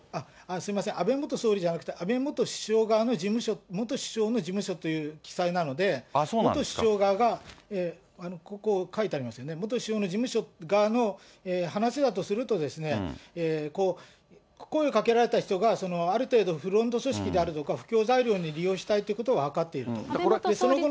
すみません、安倍元総理じゃなくて、安倍元首相側の事務所、元首相の事務所という記載なので、元首相側がここ、書いてありますよね、元首相の事務所側の、話だとすると、声をかけられた人が、ある程度フロント組織であるとか、布教材料に利用したいということは分かっていると。